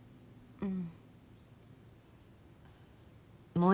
うん。